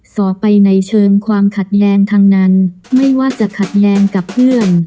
สอบไปในเชิงความขัดแย้งทั้งนั้นไม่ว่าจะขัดแย้งกับเพื่อน